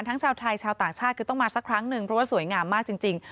ชาวไทยชาวต่างชาติคือต้องมาสักครั้งหนึ่งเพราะว่าสวยงามมากจริง